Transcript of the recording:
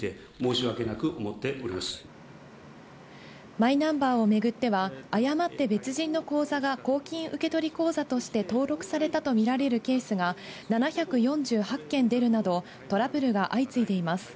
マイナンバーを巡っては、誤って別人の口座が公金受取口座として登録されたとみられるケースが７４８件出るなどトラブルが相次いでいます。